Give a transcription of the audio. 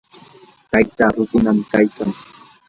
taytaa rukunam kaykan.